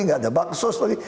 tidak ada baksos lagi